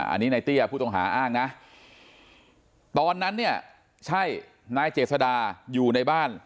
อันนี้ในเตี้ยผู้ต้องหาอ้างนะตอนนั้นเนี่ยใช่นายเจษดาอยู่ในบ้าน